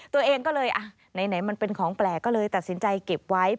ตัวเองก็เลยอ่ะไหนมันเป็นของแปลกก็เลยตัดสินใจเก็บไว้